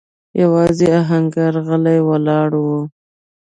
يواځې آهنګر غلی ولاړ و.